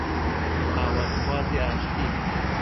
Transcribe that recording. من ئاواتخوازی ئاشتیم